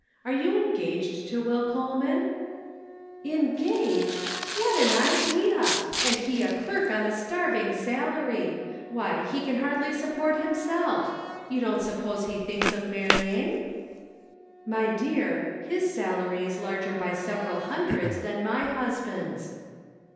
Are you engaged to Will Cole man ?"" Engaged ! What an idea ! And he a clerk on a starving salary. Why, he can hardly sup 156 The Pocket Measure. port himself. You don't suppose he thinks of marrying ?" "My dear, his salary is larger by several hundreds than my husband's."